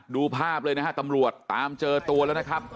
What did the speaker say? ดูภาพเลยนะฮะตำรวจตามเจอตัวแล้วนะครับ